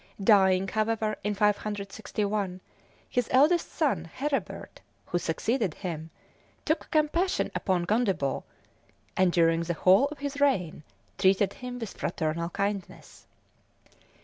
Dying, however, in 561, his eldest son, Cherebert, who succeeded him, took compassion upon Gondebaud, and, during the whole of his reign, treated him with fraternal kindness.